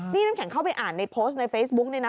นี่น้ำแข็งเข้าไปอ่านในโพสต์ในเฟซบุ๊กนี่นะ